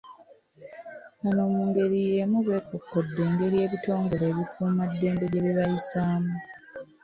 Bano mu ngeri y'emu beekokkodde engeri ebitongole ebikuumaddembe gye bibayisaamu.